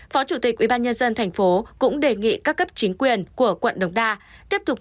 phó chủ tịch ubnd tp cũng đề nghị các cấp chính quyền của quận đồng đa tiếp tục